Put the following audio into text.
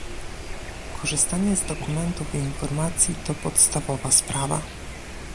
Korzystanie z dokumentów i informacji to podstawowa sprawa